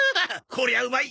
こりゃうまい！